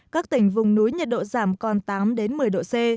các tỉnh vùng núi nhiệt độ giảm còn tám đến một mươi độ c